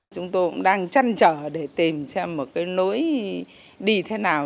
chúng tôi cũng đang chăn trở để tìm xem một cái lối đi thế nào